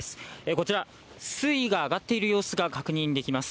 こちら水位が上がっている様子が確認できます。